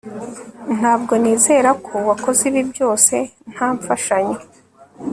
Ntabwo nizera ko wakoze ibi byose nta mfashanyo